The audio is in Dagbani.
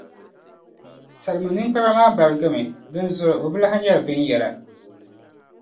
Salmu ninkpara maa barigi mi, di zuɣu o bi lahi nyɛri viɛnyɛla.